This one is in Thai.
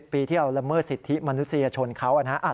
ปีที่เราละเมิดสิทธิมนุษยชนเขานะครับ